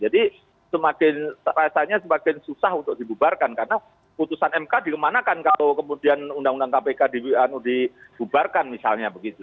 jadi semakin rasanya semakin susah untuk dibubarkan karena putusan mk dikemanakan kalau kemudian undang undang kpk dibubarkan misalnya begitu